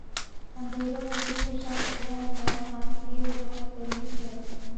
اندھیروں میں کہکشاں کی طرح عمران خان کے لیے وہ وقت قریب ہے۔